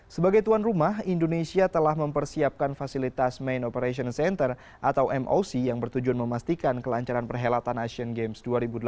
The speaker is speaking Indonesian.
sebagai tuan rumah indonesia telah mempersiapkan fasilitas main operation center atau moc yang bertujuan memastikan kelancaran perhelatan asian games dua ribu delapan belas